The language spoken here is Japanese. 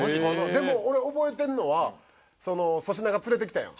でも俺覚えてるのはその粗品が連れてきたやん。